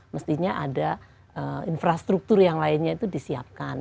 mestinya ada infrastruktur yang lainnya itu disiapkan